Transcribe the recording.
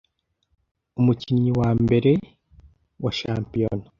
umukinnyi wa mbere wa Shampiyona